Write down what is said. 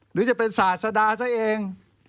หรือจะเป็นศาสดาซะเอง